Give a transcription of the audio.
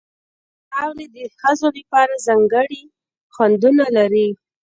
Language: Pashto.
ځینې ژاولې د ښځو لپاره ځانګړي خوندونه لري.